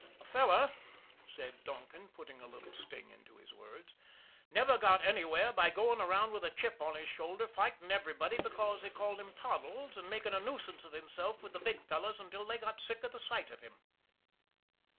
"A fellow," said Donkin, putting a little sting into his words, "never got anywhere by going around with a chip on his shoulder fighting everybody because they called him Toddles, and making a nuisance of himself with the Big Fellows until they got sick of the sight of him."